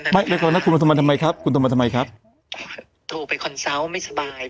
ไม่ไม่ครับคุณโทรมาทำไมครับคุณโทรมาทำไมครับโทรไปคอนเซาท์ไม่สบาย